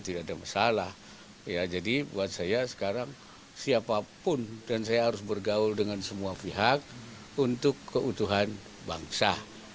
tidak ada masalah jadi buat saya sekarang siapapun dan saya harus bergaul dengan semua pihak untuk keutuhan bangsa